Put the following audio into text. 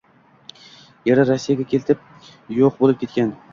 Eri rossiyaga ketib yoʻq boʻlib ketgan